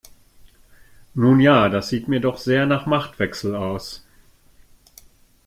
Nun ja, das sieht mir doch sehr nach Machtwechsel aus.